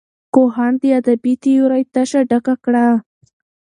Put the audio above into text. کوهن د ادبي تیورۍ تشه ډکه کړه.